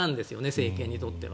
政権にとっては。